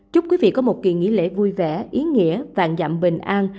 chúc quý vị có một kỳ nghỉ lễ vui vẻ ý nghĩa vàng dạm bình an